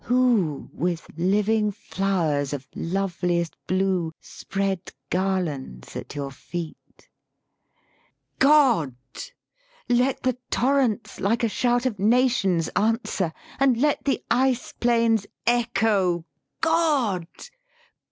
Who, with living flowers LYRIC POETRY Of loveliest blue, spread garlands at your feet? God! let the torrents, like a shout of nations, Answer! and let the ice plains echo, God!